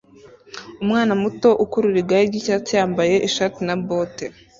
Umwana muto ukurura igare ryicyatsi yambaye ishati na bote